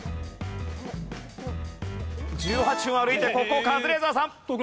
１８分歩いてここカズレーザーさん。